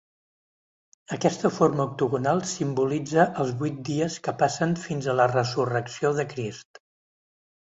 Aquesta forma octagonal simbolitza els vuit dies que passen fins a la Resurrecció de Crist.